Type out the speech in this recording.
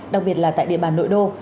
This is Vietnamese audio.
đặc biệt là tại địa bàn nội đô